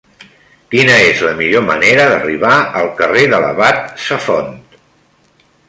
Quina és la millor manera d'arribar al carrer de l'Abat Safont?